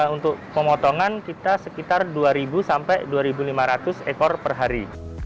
untuk pemotongan kita sekitar dua sampai dua lima ratus ekor per hari